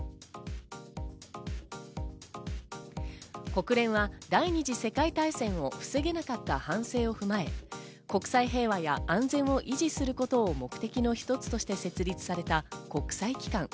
国連は第二次世界大戦を防げなかった反省を踏まえ、国際平和や安全を維持することを目的の一つとして設立された国際機関。